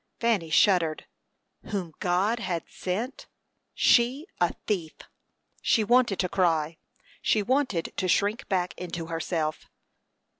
Fanny shuddered. "Whom God had sent" she, a thief! She wanted to cry; she wanted to shrink back into herself.